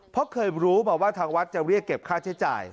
เพราะเคยรู้มาว่าทางวัดจะเรียกเก็บค่าใช้จ่าย